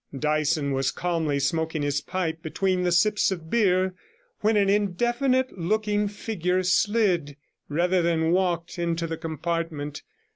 Dyson was calmly smoking his pipe between the sips of beer, when an indefinite looking figure slid rather than walked into the compartment.